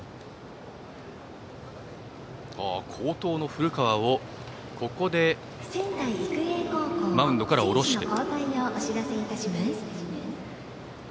好投の古川をここでマウンドから降ろして。